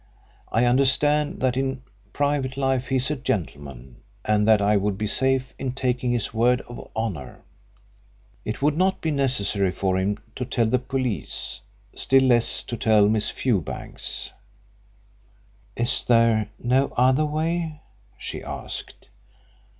I understand that in private life he is a gentleman, and that I would be safe in taking his word of honour. It would not be necessary for him to tell the police still less to tell Miss Fewbanks." "Is there no other way?" she asked.